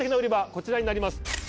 こちらになります。